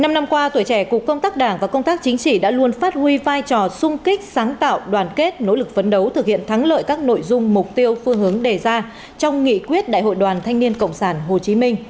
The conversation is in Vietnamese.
một mươi năm năm qua tuổi trẻ cục công tác đảng và công tác chính trị đã luôn phát huy vai trò sung kích sáng tạo đoàn kết nỗ lực phấn đấu thực hiện thắng lợi các nội dung mục tiêu phương hướng đề ra trong nghị quyết đại hội đoàn thanh niên cộng sản hồ chí minh